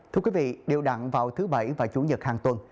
thưa quý vị đều đặn vào thứ bảy và chủ nhật hàng tuần